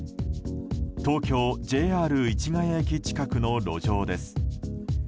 東京・ＪＲ市ヶ谷駅近くの路上です。